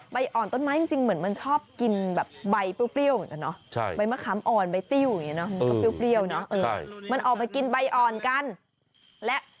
ใบอ่อนต้นไม้จริงเหมือนมันชอบกินแบบใบเปรี้ยวเหมือนกันเนอะ